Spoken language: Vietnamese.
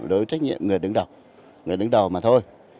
đối với trách nhiệm người đứng đầu người đứng đầu mà thôi